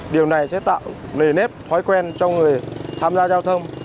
điều này sẽ tạo nề nếp thói quen cho người tham gia giao thông